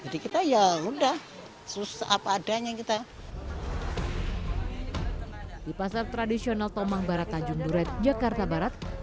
di pasar tradisional tomang barat tanjung duret jakarta barat